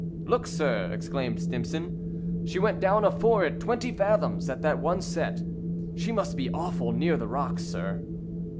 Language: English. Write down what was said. "Look, sir!" exclaimed Stimson; "she went down afore it twenty fathoms at that one set. She must be awful near the rocks, sir!"